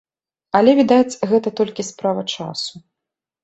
Але, відаць, гэта толькі справа часу.